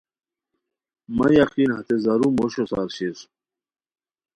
مہ یقین ہتے زارو موشو سار شیر